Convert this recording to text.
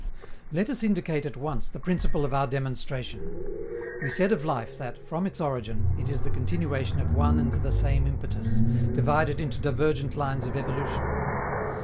Let us indicate at once the principle of our demonstration. We said of life that, from its origin, it is the continuation of one and the same impetus, divided into divergent lines of evolution.